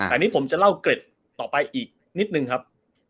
อันนี้ผมจะเล่าเกร็ดต่อไปอีกนิดนึงครับ